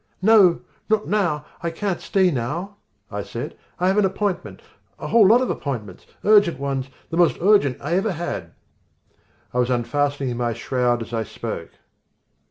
"No, not now, I can't stay now," I said, "I have an appointment, a whole lot of appointments, urgent ones, the most urgent I ever had." I was unfastening my shroud as I spoke.